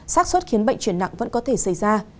sát xuất khiến bệnh chuyển nặng vẫn có thể xảy ra